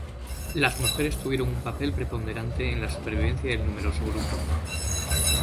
Las mujeres tuvieron un papel preponderante en la supervivencia del numeroso grupo.